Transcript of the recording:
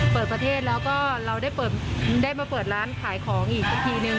เปิดประเทศแล้วก็เราได้มาเปิดร้านขายของอีกสักทีนึง